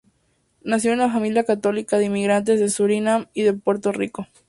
Nació en una familia católica de inmigrantes de Surinam y de Puerto Rico.